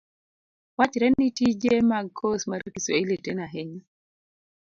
wachre ni tije mag kos mar kiswahili tin ahinya.